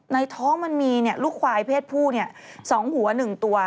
ในท้องมันมีลูกควายเพศผู้๒หัว๑ตัว